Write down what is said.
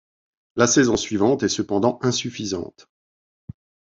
La saison suivante est cependant insuffisante.